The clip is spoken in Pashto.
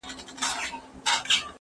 زه اوس مېوې وچوم!